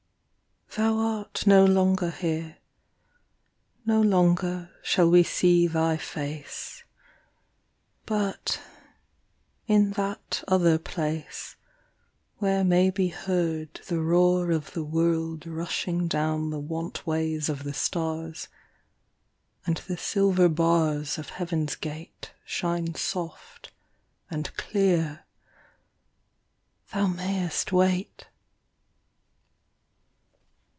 THOU art no longer here, No longer shall we see thy face, But, in that other place, Where may be heard The roar of the world rushing down the wantways of the stars ; And the silver bars Of heaven's gate Shine soft, and clear : Thou mayest wait.